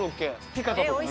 ピカタとかも。